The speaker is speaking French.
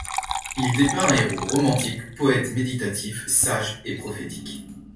Il dépeint un héros romantique, poète méditatif, sage et prophétique.